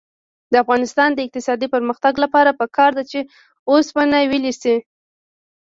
د افغانستان د اقتصادي پرمختګ لپاره پکار ده چې اوسپنه ویلې شي.